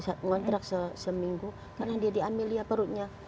saya ngontrak seminggu karena dia di amelia perutnya